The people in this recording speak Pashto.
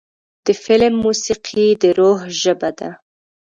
د فلم موسیقي د روح ژبه ده.